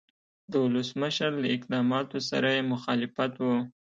د ولسمشر له اقداماتو سره یې مخالفت و.